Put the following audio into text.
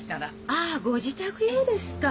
ああご自宅用ですか。